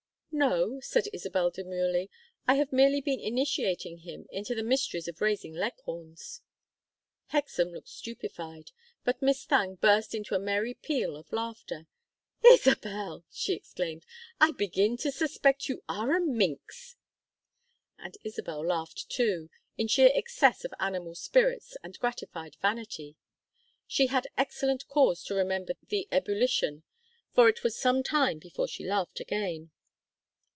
"No," said Isabel, demurely. "I have merely been initiating him into the mysteries of raising Leghorns." Hexam looked stupefied, but Miss Thangue burst into a merry peal of laughter. "Isabel!" she exclaimed. "I begin to suspect you are a minx!" And Isabel laughed, too, in sheer excess of animal spirits and gratified vanity. She had excellent cause to remember the ebullition, for it was some time before she laughed again.